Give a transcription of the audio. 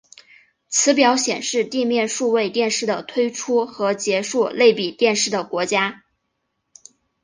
此表显示地面数位电视的推出和结束类比电视的国家。